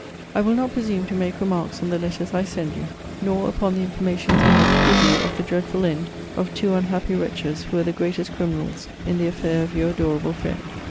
I will not presume to make remarks on the letters I send you; nor upon the informations I have to give you of the dreadful end of two unhappy wretches who were the greatest criminals in the affair of your adorable friend.